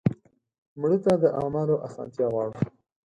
مړه ته د اعمالو اسانتیا غواړو